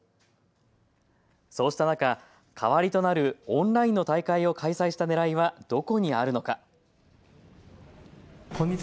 そうした中、代わりとなるオンラインの大会を開催したねらいはどこにあるのか。